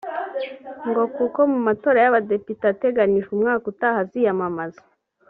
ngo kuko mu matora y’Abadepite ateganijwe umwaka utaha aziyamamaza